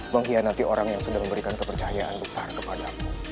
mengkhianati orang yang sudah memberikan kepercayaan besar kepadamu